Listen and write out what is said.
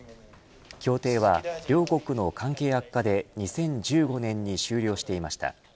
協定は両国の関係悪化で２０１５年に終了していました。